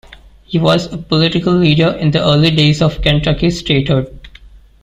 He was a political leader in the early days of Kentucky statehood.